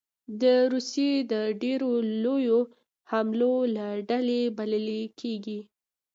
د روسیې د ډېرو لویو حملو له ډلې بللې ده